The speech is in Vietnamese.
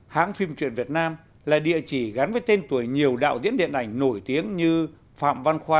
hãng phim truyện việt nam là địa chỉ gắn với tên tuổi nhiều đạo diễn điện ảnh nổi tiếng như phạm văn khoa